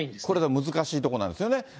これ、難しいところなんですよね。